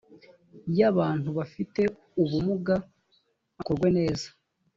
y abantu bafite ubumuga akorwe neza